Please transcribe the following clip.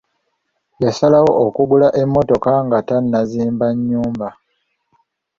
Yasalawo okugula emmotoka nga tannazimba nnyumba.